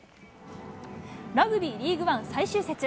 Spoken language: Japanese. ラグビーリーグワン最終節。